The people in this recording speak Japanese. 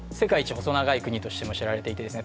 細長い国としても知られていてですね